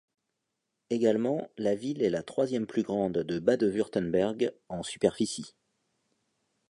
Également, la ville est la troisième plus grande de Bade-Wurtemberg, en superficie.